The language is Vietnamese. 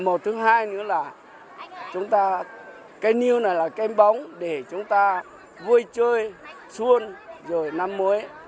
một thứ hai nữa là cây nêu này là cây bóng để chúng ta vui chơi xuân rồi năm mới